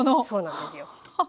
そうなんですよ。